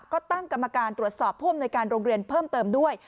ก็ตั้งกรรมการตรวจสอบผู้อำนวยการโรงเรียนเพิ่มเติมด้วย